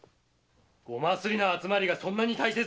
ごますりの集まりがそんなに大切ですか！